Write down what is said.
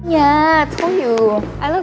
ya gue udah bilang